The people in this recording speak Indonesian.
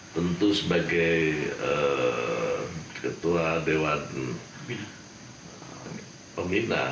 tentu sebagai ketua dewan pembina